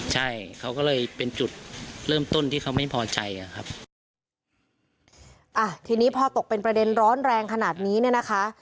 ใช่เขาก็เลยเป็นจุดเริ่มต้นที่เขาไม่พอใจอ่ะครับอ่ะทีนี้พอตกเป็นประเด็นร้อนแรงขนาดนี้เนี่ยนะคะ